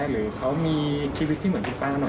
หรือเขามีชีวิตที่เหมือนคุณป้าหน่อย